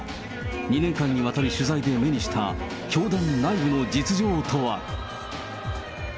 ２年間にわたる取材で目にした教団内部の実情とは。